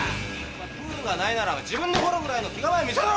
プールがないなら自分で掘るぐらいの気構え見せろ！